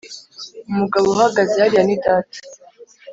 umugabo uhagaze hariya ni data.